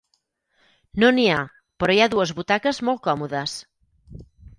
No n'hi ha, però hi ha dues butaques molt còmodes.